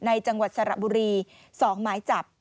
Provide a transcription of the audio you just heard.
จังหวัดสระบุรี๒หมายจับ